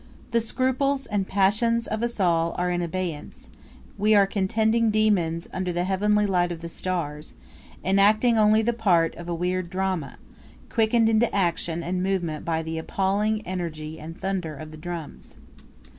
The scruples and passions of us all are in abeyance; we are contending demons under the heavenly light of the stars, enacting only the part of a weird drama, quickened into action and movement by the appalling energy and thunder of the drums.